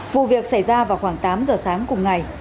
vụ việc xảy ra vào khoảng tám giờ sáng cùng ngày